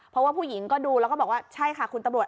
เพราะว่าผู้หญิงก็ดูแล้วก็บอกว่าใช่ค่ะคุณตำรวจ